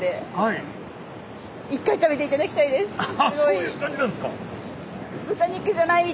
そういう感じなんですか。